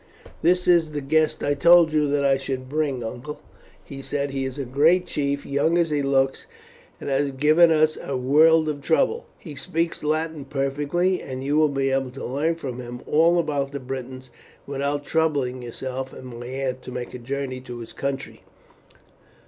"This is the guest I told you I should bring, uncle," he said. "He is a great chief, young as he looks, and has given us a world of trouble. He speaks Latin perfectly, and you will be able to learn from him all about the Britons without troubling yourself and my aunt to make a journey to his country."